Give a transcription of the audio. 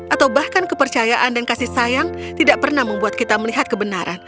atau bahkan kepercayaan dan kasih sayang tidak pernah membuat kita melihat kebenaran